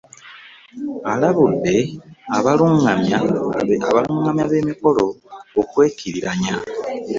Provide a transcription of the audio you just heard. Alabudde abalungamya b'emikolo ku kwekkiriranya.